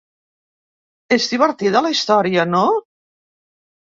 És divertida la història, no?